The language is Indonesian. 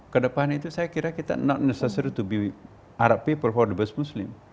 kedepannya itu saya kira kita tidak perlu menjadi orang arab untuk berdiri sebagai muslim